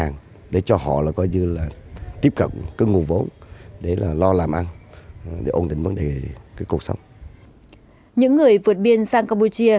những người vượt biên sang campuchia